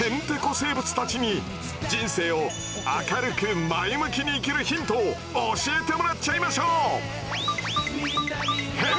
生物たちに人生を明るく前向きに生きるヒントを教えてもらっちゃいましょう！